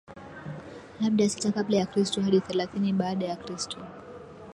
labda sita kabla ya kristo hadi thelathini baada ya kristo